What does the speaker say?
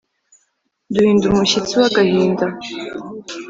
Duhinda umushyitsi w'agahinda